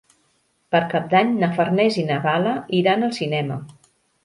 Per Cap d'Any na Farners i na Gal·la iran al cinema.